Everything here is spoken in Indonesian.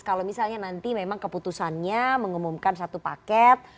kalau misalnya nanti memang keputusannya mengumumkan satu paket